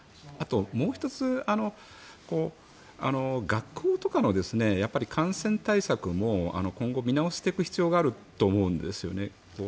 あと、もう１つ学校とかの感染対策も今後、見直していく必要があると思うんですよね。